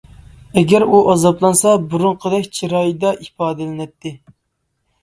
ئەگەر ئۇ ئازابلانسا بۇرۇنقىدەك چىرايىدا ئىپادىلىنەتتى.